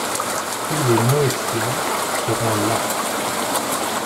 tous les Noétiens seront là.